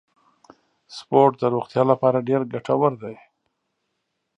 سپورت د روغتیا لپاره ډیر ګټور دی.